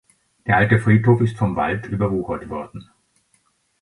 Der alte Friedhof ist vom Wald überwuchert worden.